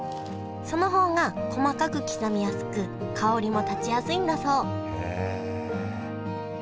その方が細かく刻みやすく香りも立ちやすいんだそうへえ。